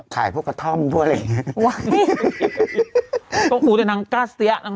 ขายพวกกระท่อมพวกอะไรอย่างนี้